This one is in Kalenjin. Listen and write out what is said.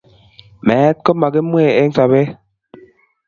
Meet komakimwee eng sobeet.